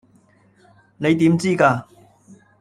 你點知架?